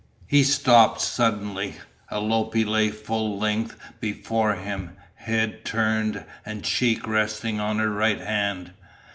He stopped suddenly. Alope lay full length before him, head turned and cheek resting on her right hand.